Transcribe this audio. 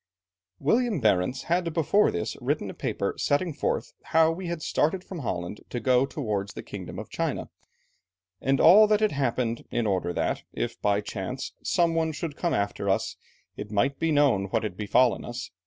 "William Barentz had before this written a paper setting forth how we had started from Holland to go towards the kingdom of China, and all that had happened, in order that, if by chance, some one should come after us, it might be known what had befallen us.